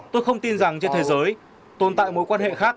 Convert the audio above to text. tôi không tin rằng trên thế giới tồn tại mối quan hệ khác